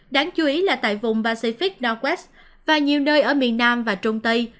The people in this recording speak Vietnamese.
đáng chú ý là tại vùng pacific nowest và nhiều nơi ở miền nam và trung tây